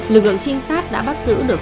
lực lượng trinh sát đã bắt giữ được